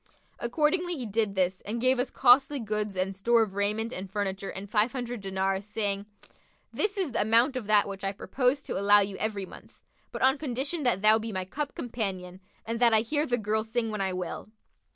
Accordingly he did this and gave us costly goods and store of raiment and furniture and five hundred dinars, saying, 'This is the amount of that which I purpose to allow you every month, but on condition that thou be my cup companion and that I hear the girl sing when I will.'